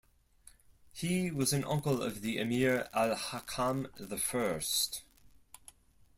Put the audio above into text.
He was an uncle of the Emir Al-Hakam the First.